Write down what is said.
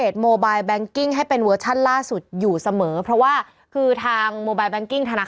ใช่อันนี้น่ากลัวสิ